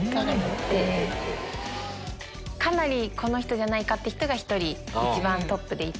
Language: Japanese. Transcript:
かなりこの人じゃないかって人が１人一番トップでいて。